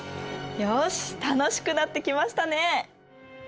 よし楽しくなってきましたね。